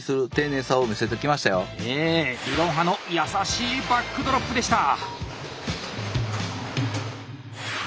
理論派の優しいバックドロップでした！